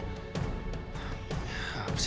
sekarang malah jauh lagi dari gue